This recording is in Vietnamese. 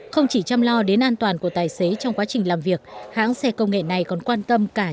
không chỉ chăm lo đến an toàn của tài xế trong quá trình làm việc hãng xe công nghệ này còn quan tâm các tài xế